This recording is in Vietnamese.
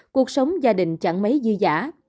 cuộc sống gia đình chẳng mấy dư giả